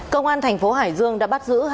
công an thành phố hải dương đã bắt giữ